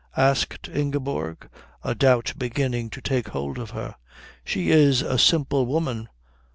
asked Ingeborg, a doubt beginning to take hold of her. "She is a simple woman.